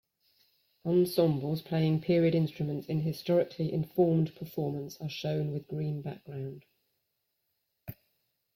Ensembles playing period instruments in historically informed performance are shown with green background.